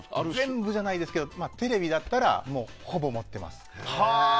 全部じゃないですけどテレビだったらもう、ほぼ持ってます。